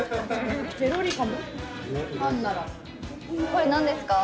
これ何ですか？